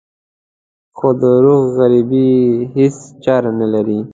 خو د روح غريبي هېڅ چاره نه لري.